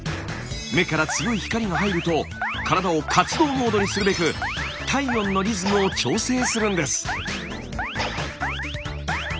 目から強い光が入ると体を活動モードにするべく体温のリズムを調整するんです。